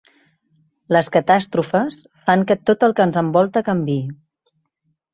Les catàstrofes fan que tot el que ens envolta canviï.